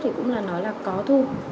thì cũng là nói là có thu